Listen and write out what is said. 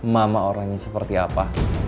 mama orangnya seperti apa